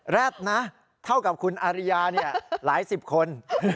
แดดนะเท่ากับคุณอาริยาหลายสิบคน